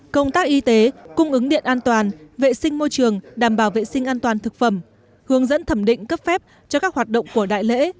công tác y tế cung ứng điện an toàn vệ sinh môi trường đảm bảo vệ sinh an toàn thực phẩm hướng dẫn thẩm định cấp phép cho các hoạt động của đại lễ